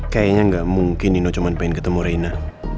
kayaknya nggak mungkin nino cuma pengen ketemu reina